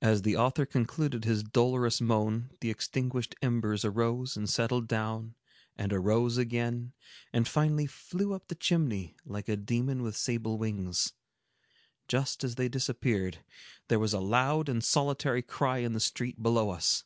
As the author concluded his dolorous moan, the extinguished embers arose and settled down and arose again, and finally flew up the chimney, like a demon with sable wings. Just as they disappeared, there was a loud and solitary cry in the street below us.